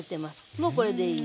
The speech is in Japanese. もうこれでいい。